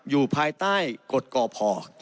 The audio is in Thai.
อยู่ภายใต้กฎกพ